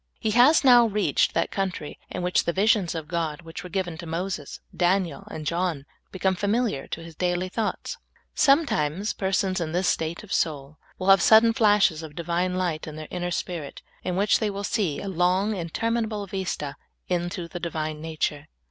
He has now reached that country in which the visions of God which were given to Moses, Daniel, and John become familiar to His dail}^ thoughts. Sometimes persons in this state of sonl will ha\e sudden flashes of Divine light in their inner spirit, in which they will see a long, interminable vista into the Divine nature.